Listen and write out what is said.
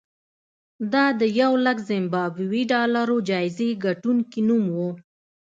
دا د یولک زیمبابويي ډالرو جایزې ګټونکي نوم و.